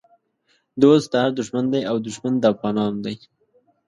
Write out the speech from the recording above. دوست د هر دښمن دی او دښمن د افغانانو دی